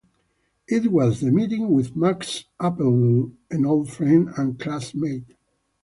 It was the meeting with Max Appedole, an old friend and classmate.